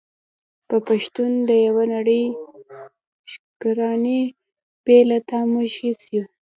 په شتون د يوه نړی شکرانې بې له تا موږ هيڅ يو ❤️